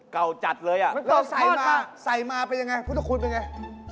เก่าจัดเลยน่ะตกทอดค่ะแล้วใส่มาใส่มาเป็นอย่างไรพุทธคุณเป็นอย่างไร